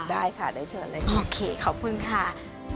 ได้ค่ะได้เชิญเลยค่ะโอเคขอบคุณค่ะ